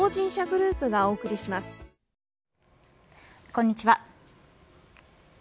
こんにちは。